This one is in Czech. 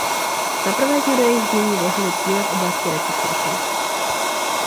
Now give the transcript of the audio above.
Zaprvé jsme do jejího znění vložili cíle v oblasti recyklace.